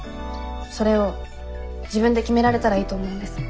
それを自分で決められたらいいと思うんです。